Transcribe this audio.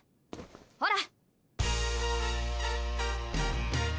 ほら。